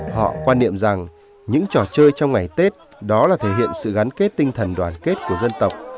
họ quan niệm rằng những trò chơi trong ngày tết đó là thể hiện sự gắn kết tinh thần đoàn kết của dân tộc